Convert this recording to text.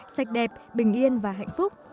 sạch đẹp bình yên và hạnh phúc